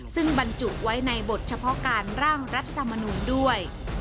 ซึ่งบรรจุไว้ในบทเฉพาะการร่างรัฐธรรมนูลด้วย